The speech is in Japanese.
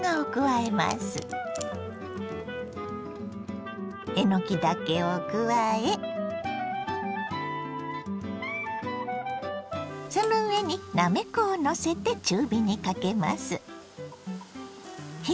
えのきだけを加えその上になめこをのせて中火にかけます。